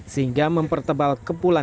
sehingga mempertebal kepulan awan